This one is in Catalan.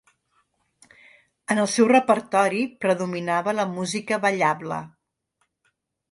En el seu repertori predominava la música ballable.